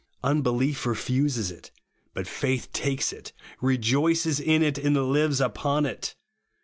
Unbelief refuses it ; but faith takes it, rejoices in it, and lives upon it.